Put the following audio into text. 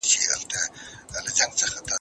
بدن مو په حرکت کي وساتئ.